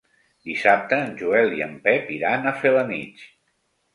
Dissabte en Joel i en Pep iran a Felanitx.